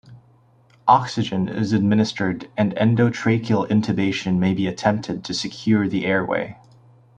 Oxygen is administered and endotracheal intubation may be attempted to secure the airway.